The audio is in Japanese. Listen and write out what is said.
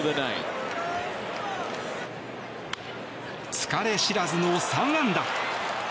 疲れ知らずの３安打。